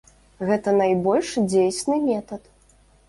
Гэта найбольш дзейсны метад.